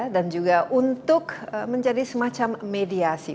dan juga untuk menjadi semacam mediasi